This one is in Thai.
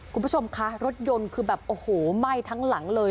คุณผู้ชมคะรถยนต์คือแบบโอ้โหไหม้ทั้งหลังเลย